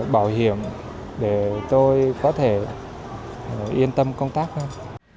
bảo hiểm để tôi có thể yên tâm công tác hơn